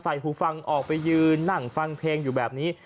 หูฟังออกไปยืนนั่งฟังเพลงอยู่แบบนี้